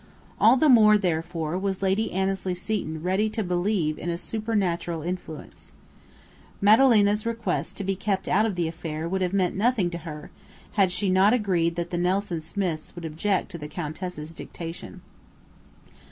All the more, therefore, was Lady Annesley Seton ready to believe in a supernatural influence. Madalena's request to be kept out of the affair would have meant nothing to her had she not agreed that the Nelson Smiths would object to the Countess's dictation.